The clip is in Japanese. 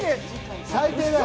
最低だよ。